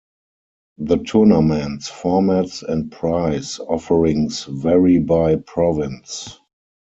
The tournaments, formats and prize offerings vary by province.